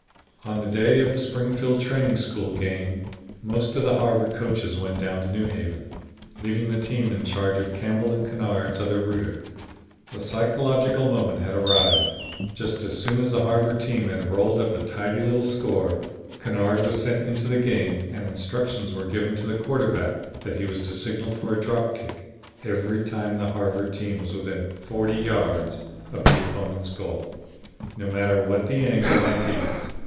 On the day of the Springfield Training School game, most of the Harvard coaches went down to New Haven, leaving the team in charge of Campbell and Kennard's other rooter. The psychological moment had arrived. Just as soon as the Harvard team had rolled up a tidy little score, Kennard was sent into the game and instructions were given to the quarterback that he was to signal for a drop kick every time the Harvard team was within forty yards of the opponent's goal no matter what the angle might be.